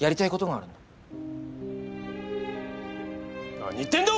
何言ってんだ？